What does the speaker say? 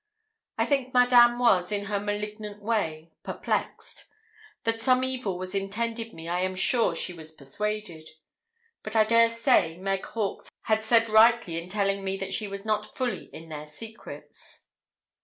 I think Madame was, in her malignant way, perplexed. That some evil was intended me I am sure she was persuaded; but I dare say Meg Hawkes had said rightly in telling me that she was not fully in their secrets.